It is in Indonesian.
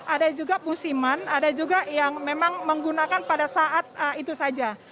ada juga musiman ada juga yang memang menggunakan pada saat itu saja